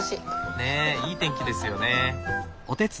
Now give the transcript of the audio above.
ねえいい天気ですよね。